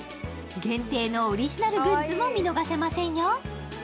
限定のオリジナルグッズも見逃せませんよ。